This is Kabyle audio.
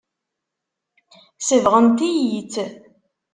Sebɣent-iyi-tt.